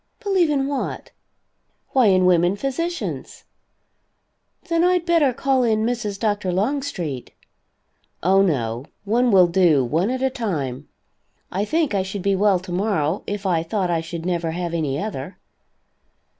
"Believe in what?" "Why, in women physicians." "Then, I'd better call in Mrs. Dr. Longstreet." "Oh, no. One will do, one at a time. I think I should be well tomorrow, if I thought I should never have any other."